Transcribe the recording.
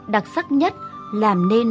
đặc sắc nhất làm nên